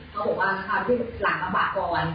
แล้วผมเอาความภัสดีเขาก็หลากะบากกอ้อน